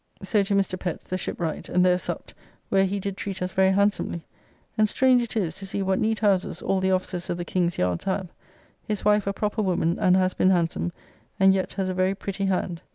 So to Mr. Pett's, the shipwright, and there supped, where he did treat us very handsomely (and strange it is to see what neat houses all the officers of the King's yards have), his wife a proper woman, and has been handsome, and yet has a very pretty hand.